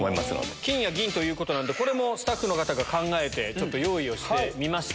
金や銀ということで、これもスタッフの方が考えて、ちょっと用意をしてみました。